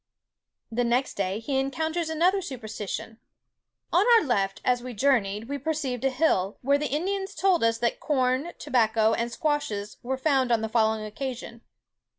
The next day he encounters another superstition:—"On our left, as we journeyed, we perceived a hill, where the Indians told us that corn, tobacco, and squashes were found on the following occasion.